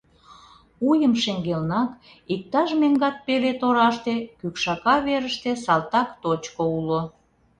Уйым шеҥгелнак, иктаж меҥгат пеле тораште, кӱкшака верыште, салтак точко уло.